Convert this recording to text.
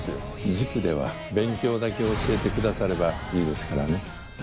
塾では勉強だけ教えてくださればいいですからね。